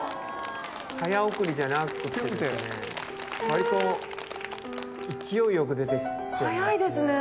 早送りじゃなくてですね割と勢いよく出てきてますね。